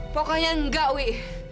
pokoknya nggak wi